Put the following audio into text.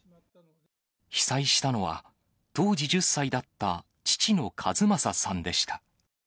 被災したのは、当時１０歳だった父の一正さんでした。